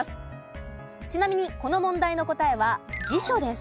ちなみにこの問題の答えは辞書です。